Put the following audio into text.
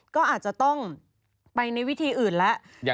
ก็อาจจะต้องไปในวิธีอื่นแล้ว